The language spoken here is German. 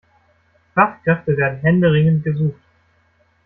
Fachkräfte werden händeringend gesucht.